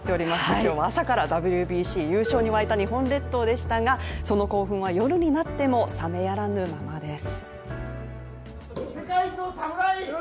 今日は朝からＷＢＣ優勝に沸いた日本列島でしたがその興奮は夜になっても冷めやらぬままです。